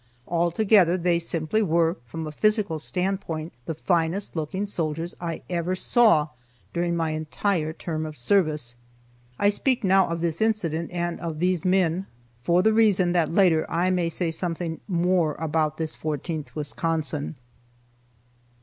Altogether, they simply were, from a physical standpoint, the finest looking soldiers I ever saw during my entire term of service. I speak now of this incident and of these men, for the reason that later I may say something more about this 14th Wisconsin.